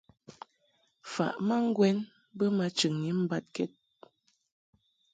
Faʼ ma ŋgwɛn bə ma chɨŋni mbad kɛd.